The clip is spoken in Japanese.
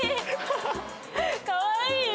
かわいいよ。